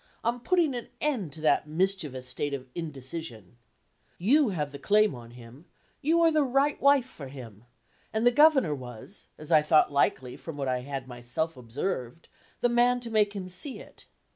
on putting an end to that mischievous state of indecision. You have the claim on him; you are the right wife for him, and the Governor was (as I thought likely from what I had myself observed) the man to make him see it.